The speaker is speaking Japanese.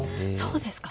そうですか。